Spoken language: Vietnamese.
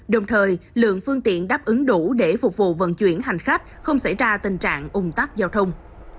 đồng thời lượng phương tiện đáp ứng đủ để phục vụ vận chuyển hành khách không xảy ra tình trạng ung tắc giao thông